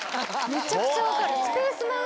めちゃくちゃ分かる。